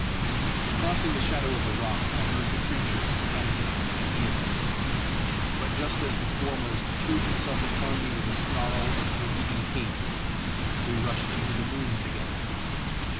Crossing the shadow of a rock, I heard the creatures panting at my heels. But just as the foremost threw himself upon me with a snarl of greedy hate, we rushed into the moon together.